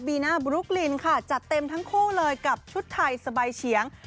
น่าบลุ๊กลินค่ะจัดเต็มทั้งคู่เลยกับชุดไทยสบายเฉียง